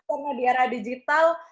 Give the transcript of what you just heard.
pernah di era digital